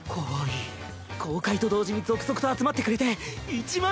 公開と同時に続々と集まってくれて１万円とか。